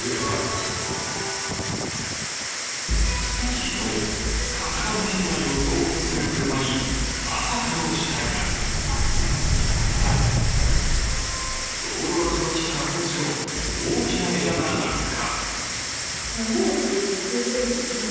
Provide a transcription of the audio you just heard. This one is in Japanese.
昨日、神奈川県内を走行する車にまさかの事態が道路脇の木から突如、大きな枝が落下。